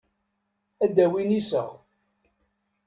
Ad d-awin iseɣ.